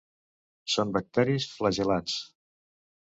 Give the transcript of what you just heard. Són bacteris flagel·lats.